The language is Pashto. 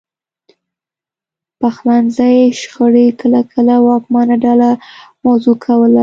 خپلمنځي شخړې کله کله واکمنه ډله عوض کوله